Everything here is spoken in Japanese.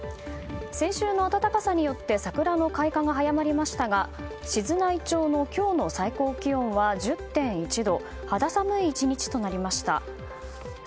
先週の暖かさによって桜の開花が早まりましたが静内町の今日の最高気温は１０．１度。